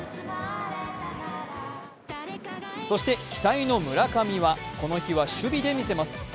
そして、期待の村上ですが、この日は守備で見せます。